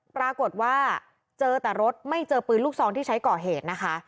ปรากฏว่าเจอแต่รถไม่เจอปืนลูกซองที่ใช้ก่อเหตุนะคะ